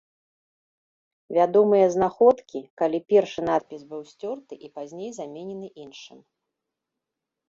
Вядомыя знаходкі, калі першы надпіс быў сцёрты і пазней заменены іншым.